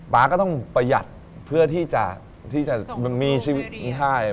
ป๊าก็ต้องประหยัดเพื่อนี่จะมีชีวิต